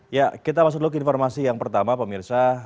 ya kita masuk dulu ke informasi yang pertama pemirsa